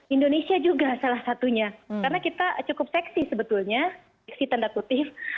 indonesia juga salah satunya karena kita cukup seksi sebetulnya seksi tanda kutip